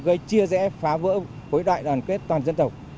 gây chia rẽ phá vỡ khối đại đoàn kết toàn dân tộc